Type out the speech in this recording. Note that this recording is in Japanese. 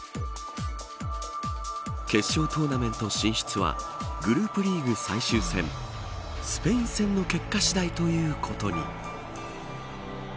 決勝トーナメント進出はグループリーグ最終戦スペイン戦の結果次第ということに。